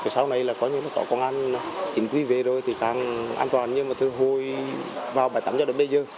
sau này có công an chỉnh quy về rồi thì càng an toàn nhưng mà từ hồi vào bãi tắm cho đến bây giờ